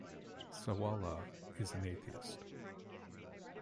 Sawalha is an atheist.